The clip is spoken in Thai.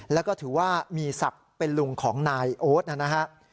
แล้วก็ถือว่ามีศักดิ์เป็นลุงของนายโอ๊ตนะครับ